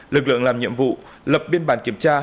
lực lượng làm nhiệm vụ lập biên bản kiểm tra